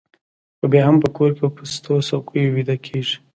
خو بیا هم په کور کې په پستو څوکیو ویده کېږي